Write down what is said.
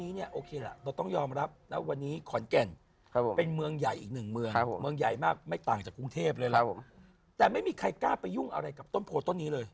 หลังจากกรุงเทพฯเลยแต่ไม่มีใครกล้าไปยุ่งอะไรกับต้นโผล่ต้นนี้เลย